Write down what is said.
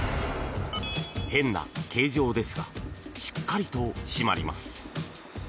変な形状ですがしっかりと締まります。